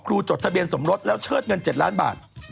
จดทะเบียนสมรสแล้วเชิดเงิน๗ล้านบาท